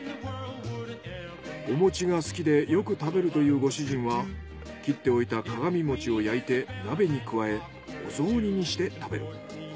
お餅が好きでよく食べるというご主人は切っておいた鏡餅を焼いて鍋に加えお雑煮にして食べる。